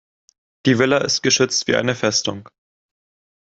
Die Villa ist geschützt wie eine Festung.